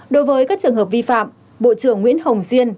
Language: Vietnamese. đối với các trường hợp vi phạm bộ trưởng nguyễn hồng diên